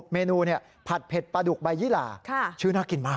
เมนูผัดเผ็ดปลาดุกใบยี่หลาชื่อน่ากินมาก